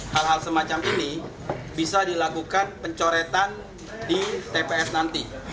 hal hal semacam ini bisa dilakukan pencoretan di tps nanti